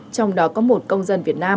trong đó có một công dân việt nam